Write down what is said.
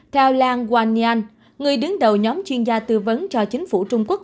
theo lan wangyan người đứng đầu nhóm chuyên gia tư vấn cho chính phủ trung quốc